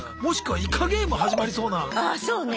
あそうね